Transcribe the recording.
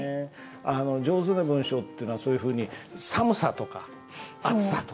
あの上手な文章ってのはそういうふうに寒さとか暑さとか。